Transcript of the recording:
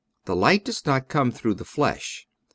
The light does not come through the flesh.